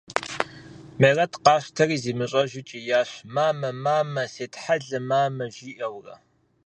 Мерэт къащтэри зимыщӀэжу кӀиящ: – Мамэ, мамэ! Сетхьэлэ, мамэ! – жиӀэурэ.